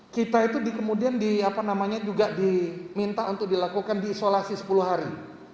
kita itu kemudian juga diminta untuk dilakukan diisolasi sepuluh hari